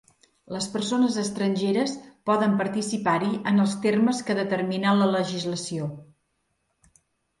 Les persones estrangeres poden participar-hi en els termes que determina la legislació.